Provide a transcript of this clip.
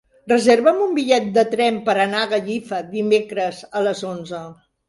Reserva'm un bitllet de tren per anar a Gallifa dimecres a les onze.